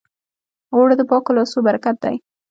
اوړه د پاکو لاسو برکت دی